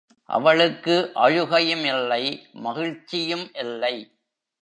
அவளுக்கு அழுகையும் இல்லை மகிழ்ச்சியும் இல்லை.